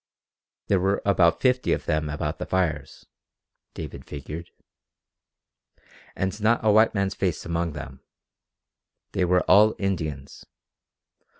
There were about fifty of them about the fires, David figured. And not a white man's face among them. They were all Indians.